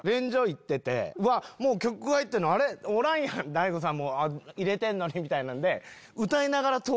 「大悟さん入れてんのに」みたいなんで。